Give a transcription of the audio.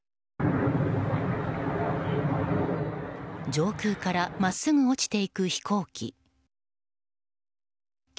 上空から真っすぐ落ちていく飛行機。